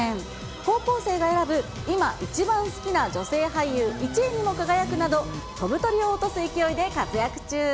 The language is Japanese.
高校生が選ぶ、今一番好きな女性俳優１位にも輝くなど、飛ぶ鳥を落とす勢いで活躍中。